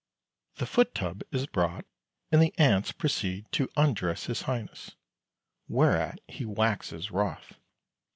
The foot tub is brought, and the aunts proceed to undress his Highness, whereat he waxes wroth.